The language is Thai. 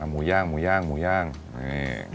อ่าหมูย่างหมูย่างหมูย่างนี่